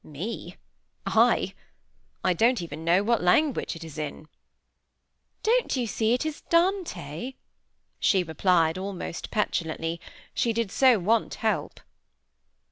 "Me! I! I don't even know what language it is in!" "Don't you see it is Dante?" she replied, almost petulantly; she did so want help.